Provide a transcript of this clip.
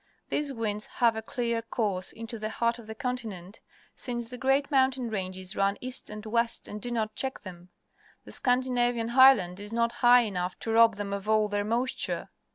These winds have a clear course into the heart of the continent, since the great mountain ranges run east and west and do not check them. The Scandinavian Highland is not high enough to rob them of all their moisture.